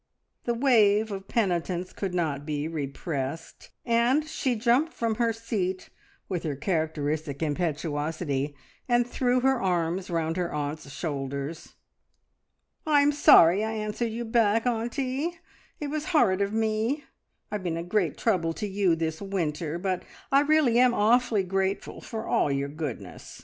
The wave of penitence could not be repressed, and she jumped from her seat with her characteristic impetuosity, and threw her arms round her aunt's shoulders. "I'm sorry I answered you back, auntie; it was horrid of me. I've been a great trouble to you this winter, but I really am awfully grateful for all your goodness.